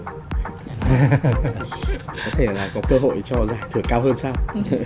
có thể là có cơ hội cho giải thưởng cao hơn sao